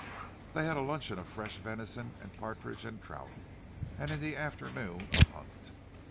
They had a luncheon of fresh venison and partridges and trout, and in the afternoon a hunt.